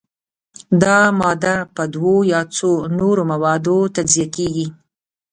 دا ماده په دوو یا څو نورو موادو تجزیه کیږي.